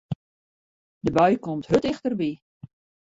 De bui komt hurd tichterby.